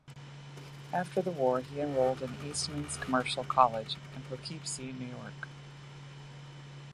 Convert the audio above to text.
After the war he enrolled in Eastman's Commercial College in Poughkeepsie, New York.